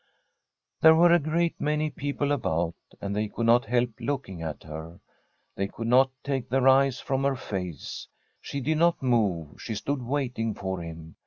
There were a great many people about, and they could not help looking at her. They could not take their eyes from her face. She did not move; she stood waiting for him.